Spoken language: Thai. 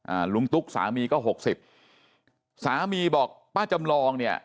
ลุงตุ๊กสามีก็หกสิบสามีบอกป้าจำลองเนี่ย